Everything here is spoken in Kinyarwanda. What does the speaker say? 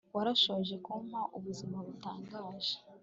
warashoboye kumpa ubuzima butangaje